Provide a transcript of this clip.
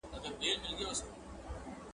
• د خرې څټه ورکه شه، د ښځي گټه ورکه شه.